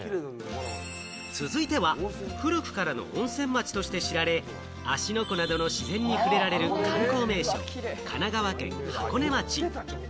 続いては、古くからの温泉町として知られ、芦ノ湖などの自然に触れられる観光名所、神奈川県箱根町。